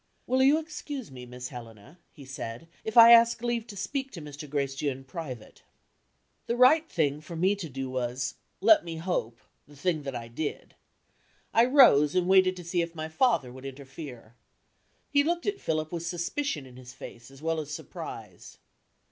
"Will you excuse me, Miss Helena," he said, "if I ask leave to speak to Mr. Gracedieu in private?" The right thing for me to do was, let me hope, the thing that I did. I rose, and waited to see if my father would interfere. He looked at Philip with suspicion in his face, as well as surprise.